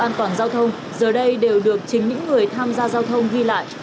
an toàn giao thông giờ đây đều được chính những người tham gia giao thông ghi lại